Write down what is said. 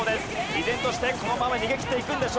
依然としてこのまま逃げきっていくんでしょうか？